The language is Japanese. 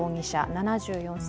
７４歳。